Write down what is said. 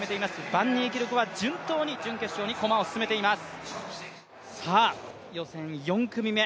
バンニーキルクは順当に準決勝に駒を進めています。